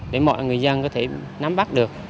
để mọi người dân có thể nắm bắt được